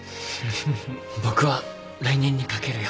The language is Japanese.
僕は来年に懸けるよ。